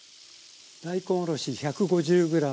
大根おろし１５０ｇ。